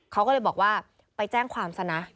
เขาก็เลยบอกว่าไปแจ้งความซะนะ